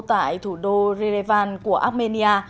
tại thủ đô rerevan của armenia